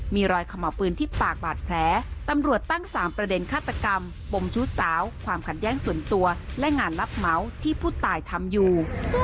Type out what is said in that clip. มีรอยขม่าปืนที่ปากบาดแผลตำรวจตั้ง๓ประเด็นฆาตกรรมปมชู้สาวความขัดแย้งส่วนตัวและงานรับเหมาที่ผู้ตายทำอยู่